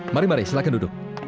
mari mari silahkan duduk